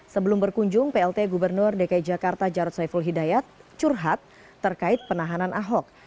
sebelum berkunjung plt gubernur dki jakarta jarod saiful hidayat curhat terkait penahanan ahok